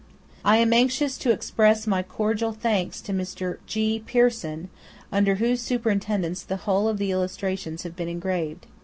I am anxious also to express my cordial thanks to Mr. G. Pearson, under whose superintendence the whole of the illustrations have been engraved.